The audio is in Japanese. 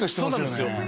そうなんですよ